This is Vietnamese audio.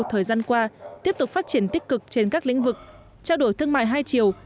thời gian qua tiếp tục phát triển tích cực trên các lĩnh vực trao đổi thương mại hai chiều